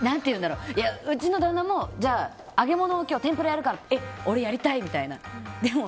うちの旦那も、揚げ物天ぷらやるからえ、俺やりたい！みたいな。